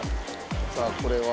さあこれは。